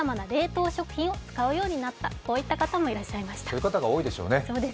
こういう方が多いでしょうね。